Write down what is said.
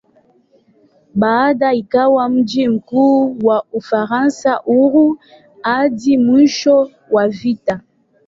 Baadaye ikawa mji mkuu wa "Ufaransa Huru" hadi mwisho wa vita.